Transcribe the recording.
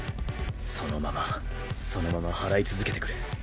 そのままそのまま祓い続けてくれ。